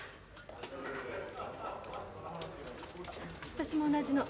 私も同じの。